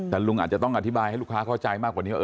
แต่ลุงอาจจะต้องอธิบายให้ลูกค้าเข้าใจมากกว่านี้